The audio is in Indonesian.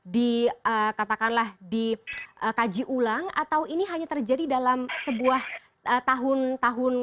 dikatakanlah dikaji ulang atau ini hanya terjadi dalam sebuah tahun tahun